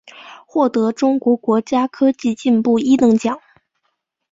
曾获中国国家科技进步一等奖。